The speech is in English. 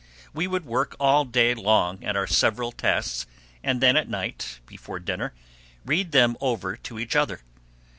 We would work all day long at our several tasks, and then at night, before dinner, read them over to each other.